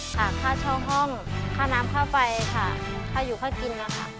ค่ะค่าเช่าห้องค่าน้ำค่าไฟค่ะค่าอยู่ค่ากินนะคะ